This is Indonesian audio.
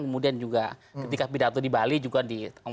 kemudian juga ketika pidato dibatalkan